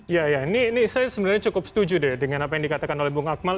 ya ya ini saya sebenarnya cukup setuju deh dengan apa yang dikatakan oleh bung akmal